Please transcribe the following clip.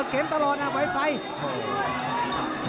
แล้วทีมงานน่าสื่อ